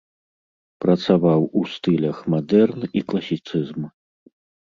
Працаваў у стылях мадэрн і класіцызм.